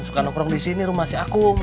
suka nongkrong disini rumah si akung